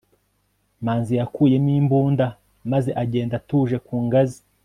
manzi yakuyemo imbunda maze agenda atuje ku ngazi